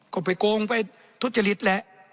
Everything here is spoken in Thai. ก็ไปโกงไปทุจริตแหละ